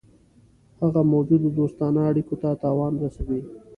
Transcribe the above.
هغه موجودو دوستانه اړېکو ته تاوان رسوي.